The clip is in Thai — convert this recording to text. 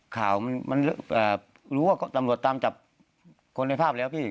ข่าวมันรู้ว่าตำรวจตามจับคนในภาพแล้วพี่